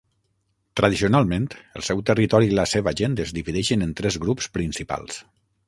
Tradicionalment, el seu territori i la seva gent es divideixen en tres grups principals.